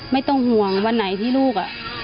ไม่ต้องห่วงวันไหร่ที่ลูก